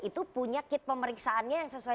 itu punya kit pemeriksaannya yang sesuai